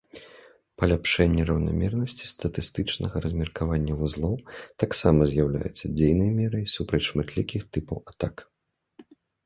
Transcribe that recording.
Паляпшэнне раўнамернасці статыстычнага размеркавання вузлоў таксама з'яўляецца дзейнай мерай супраць шматлікіх тыпаў атак.